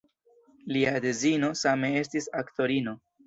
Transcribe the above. Lia edzino same estis aktorino.